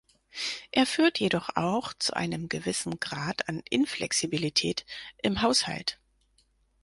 Er führt jedoch auch zu einem gewissen Grad an Inflexibilität im Haushalt.